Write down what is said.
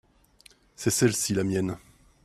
c'est celle-ci la mienne.